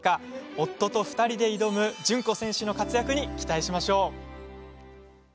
夫と２人で挑む順子選手の活躍に期待しましょう。